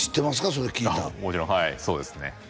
それ聞いたのもちろんはいそうですね